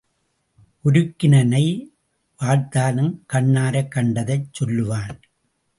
உருக்கின நெய் வார்த்தாலும் கண்ணாரக் கண்டதைத் சொல்லுவான்.